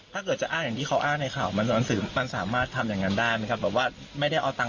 ถ้าเกิดจะอ้านอย่างที่เขาอ้านในข่าวมันสนสิน